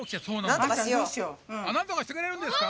あっなんとかしてくれるんですか？